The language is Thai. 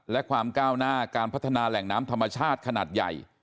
และความก้าวหน้าการพัฒนาแหล่งน้ำธรรมชาติขนาดใหญ่